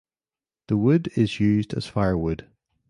The wood is used as firewood.